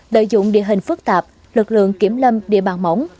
lợi dụng địa hình phức tạp lực lượng kiểm lâm địa bàn mỏng